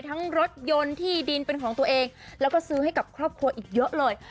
รถยนต์ที่ดินเป็นของตัวเองแล้วก็ซื้อให้กับครอบครัวอีกเยอะเลย